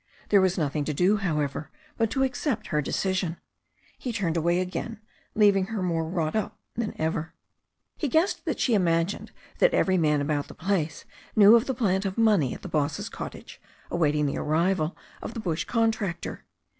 There was nothing to do, however, but to accept her de cision. He turned away again, leaving her more wrought' up than ever. He guessed that she imagined that every man about the place knew of the plant of money at the boss's cottage, awaiting the arrival of the bush contractor.